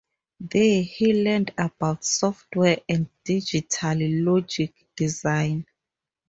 There, he learned about software and digital logic design.